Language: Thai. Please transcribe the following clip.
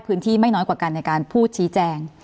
ไม่น้อยกว่ากันในการพูดชี้แจง